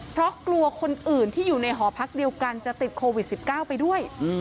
เพราะกลัวคนอื่นที่อยู่ในหอพักเดียวกันจะติดโควิด๑๙ไปด้วย